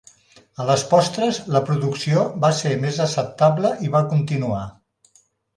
A les postres, la producció va ser més acceptable i va continuar.